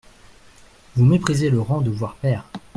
Vous méprisez le rang de voire père !